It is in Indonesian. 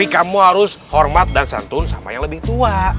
kamu harus hormat dan santun sama yang lebih tua